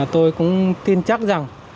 tôi cũng tin chắc rằng